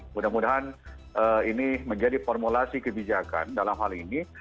mudah mudahan ini menjadi formulasi kebijakan dalam hal ini